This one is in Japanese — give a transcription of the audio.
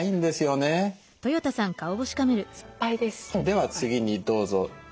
では次にどうぞ。